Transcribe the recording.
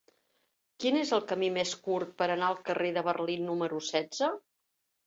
Quin és el camí més curt per anar al carrer de Berlín número setze?